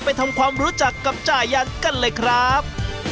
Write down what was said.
ไปทำความรู้จักกับจ่ายันกันเลยครับ